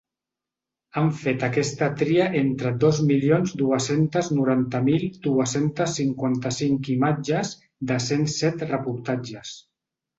Han fet aquesta tria entre dos milions dues-centes noranta mil dues-centes cinquanta-cinc imatges de cent set reportatges.